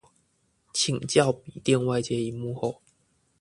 請教筆電外接螢幕後